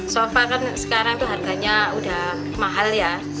sofa kan sekarang harganya sudah mahal